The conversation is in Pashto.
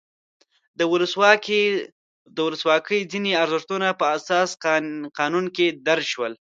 د ولسواکۍ ځینې ارزښتونه په اساسي قانون کې درج شول.